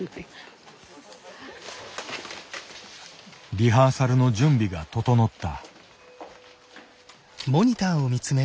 リハーサルの準備が整った。